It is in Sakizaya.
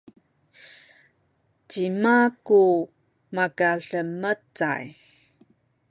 cima ku makademecay?